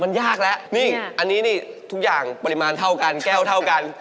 มันยากแล้วนี่อันนี้นี่ทุกอย่างปริมาณเท่ากันแก้วเท่ากัน